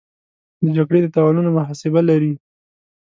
د جګړې د تاوانونو محاسبه لري.